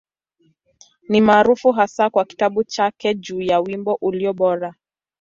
Ni maarufu hasa kwa kitabu chake juu ya Wimbo Ulio Bora.